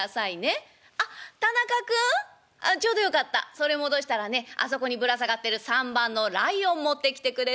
それ戻したらねあそこにぶら下がってる３番のライオン持ってきてくれる？